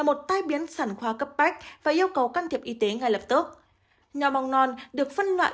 một tai biến sản khoa cấp bách và yêu cầu can thiệp y tế ngay lập tức nhóm non được phân loại